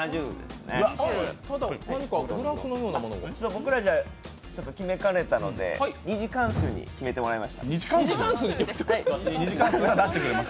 僕らじゃちょっと決めかねたので二次関数に決めてもらいました。